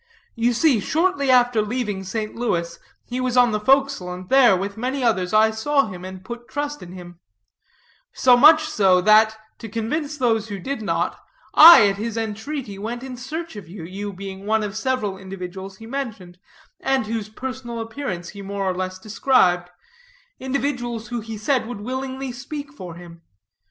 You see, shortly after leaving St. Louis, he was on the forecastle, and there, with many others, I saw him, and put trust in him; so much so, that, to convince those who did not, I, at his entreaty, went in search of you, you being one of several individuals he mentioned, and whose personal appearance he more or less described, individuals who he said would willingly speak for him.